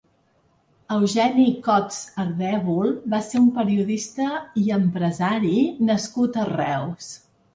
Eugeni Cots Ardèvol va ser un periodista i empresari nascut a Reus.